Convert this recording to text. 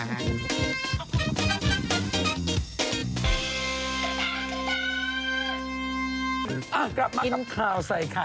อ้าวกลับมากันครับรับกินขาวใส่ไข่